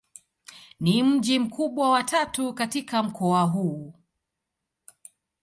Ni mji mkubwa wa tatu katika mkoa huu.